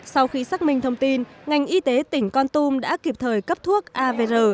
sau khi xác minh thông tin ngành y tế tỉnh con tum đã kịp thời cấp thuốc avr